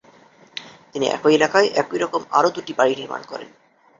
তিনি একই এলাকায় একইরকম আরো দুটি বাড়ি নির্মাণ করেন।